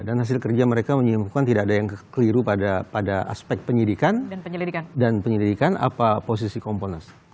dan hasil kerja mereka menunjukkan tidak ada yang keliru pada aspek penyidikan dan penyelidikan apa posisi komponas